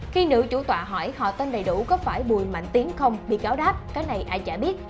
khi nữ chủ tọa hỏi họ tên đầy đủ có phải bùi mạnh tiến không bị cáo đáp cái này ai chả biết